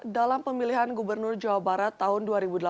dalam pemilihan gubernur jawa barat tahun dua ribu delapan belas